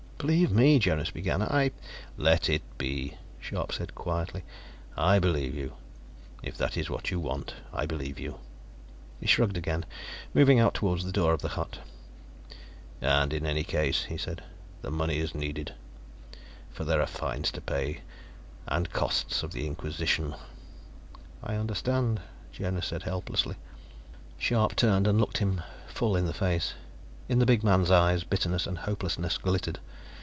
"Believe me," Jonas began. "I " "Let it be," Scharpe said quietly. "I believe you. If that is what you want, I believe you." He shrugged again, moving out toward the door of the hut. "And, in any case," he said, "the money is needed. For there are fines to pay, and costs of the Inquisition." "I understand," Jonas said helplessly. Scharpe turned and looked him full in the face. In the big man's eyes, bitterness and hopelessness glittered.